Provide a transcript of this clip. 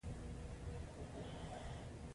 تیریدل زده کړئ